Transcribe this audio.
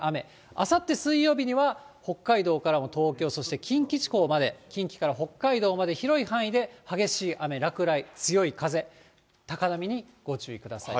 あさって水曜日には、北海道から東京、そして近畿地方まで、近畿から北海道まで広い範囲で激しい雨、落雷、強い風、高波にご注意ください。